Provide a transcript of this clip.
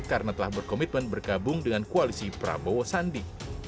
karena telah berkomitmen berkabung dengan koalisi prabowo sandi